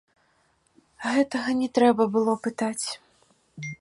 Гэтага не трэба было пытаць.